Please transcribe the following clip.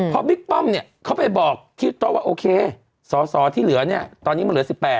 พอบิ๊กป้อมเขาไปบอกที่ต้องว่าโอเคสอสอที่เหลือตอนนี้มันเหลือ๑๘